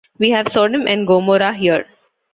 We have Sodom and Gomorrah here.